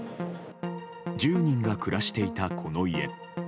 １０人が暮らしていたこの家。